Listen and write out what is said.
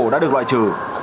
đã được loại trừ